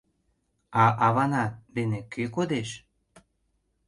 — А авана дене кӧ кодеш?